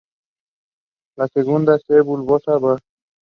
La segunda, "C. bulbosa" var.